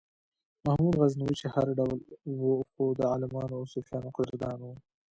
محمود غزنوي چې هر ډول و خو د عالمانو او صوفیانو قدردان و.